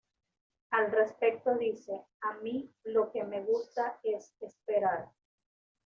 Al respecto dice: "A mí lo que me gusta es esperar.